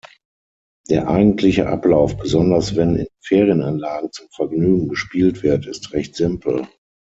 Der eigentliche Ablauf, besonders wenn in Ferienanlagen zum Vergnügen gespielt wird, ist recht simpel.